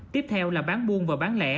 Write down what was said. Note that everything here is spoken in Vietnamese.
tiếp theo là bán buôn và bán lẻ